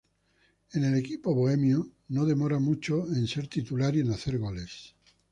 En el equipo "Bohemio", no demora mucho en ser titular y en hacer goles.